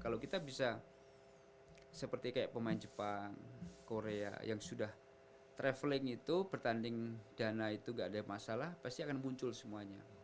kalau kita bisa seperti kayak pemain jepang korea yang sudah traveling itu bertanding dana itu gak ada masalah pasti akan muncul semuanya